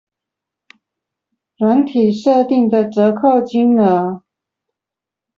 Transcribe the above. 軟體設定的折扣金額